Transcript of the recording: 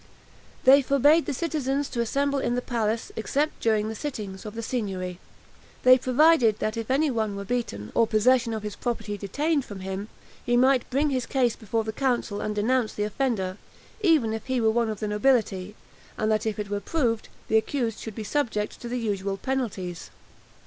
They forbade the citizens to assemble in the palace, except during the sittings of the Signory. They provided that if any one were beaten, or possession of his property detained from him, he might bring his case before the council and denounce the offender, even if he were one of the nobility; and that if it were proved, the accused should be subject to the usual penalties.